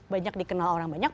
banyak dikenal orang banyak